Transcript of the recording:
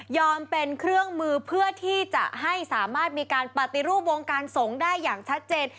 เป็นเครื่องมือเพื่อที่จะให้สามารถมีการปฏิรูปวงการสงฆ์ได้อย่างชัดเจน